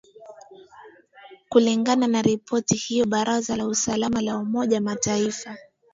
kulingana na ripoti hiyo baraza la usalama la umoja mataifa